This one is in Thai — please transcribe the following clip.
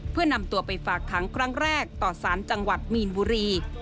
เพื่อนำตัวไปฝากค้างครั้งแรกต่อสารจังหวัดมีนบุรี